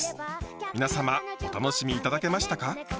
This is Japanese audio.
皆様お楽しみ頂けましたか？